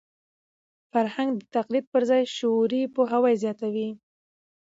فرهنګ د تقلید پر ځای شعوري پوهاوی غواړي.